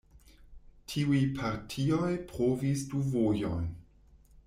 Tiuj partioj provis du vojojn.